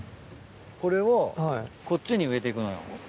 これをこっちに植えて行くのよ。